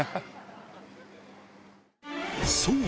そう！